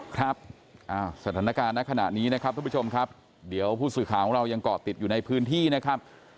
ครับสถานการณ์ในขณะนี้นะครับทุกผู้ชมครับเดี๋ยวผู้สื่อข่าวของเรายังเกาะติดอยู่ในพื้นที่นะครับ